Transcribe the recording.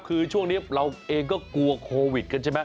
คือช่วงนี้เราเองก็กลัวโควิดกันใช่ไหม